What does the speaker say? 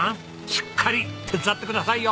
しっかり手伝ってくださいよ！